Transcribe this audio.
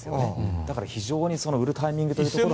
だから、非常に売るタイミングとしては。